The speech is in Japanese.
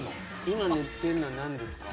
今塗ってるのは何ですか？